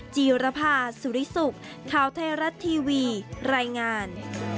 จีรภาสุริสุขข่าวไทยรัฐทีวีรายงาน